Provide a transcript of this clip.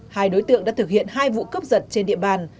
hai đối tượng đã thực hiện hai vụ cướp giật trên địa bàn